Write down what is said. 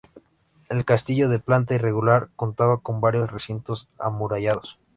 El castillo, de planta irregular, contaba con varios recintos amurallados.